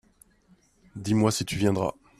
Dis-moi si tu viendras.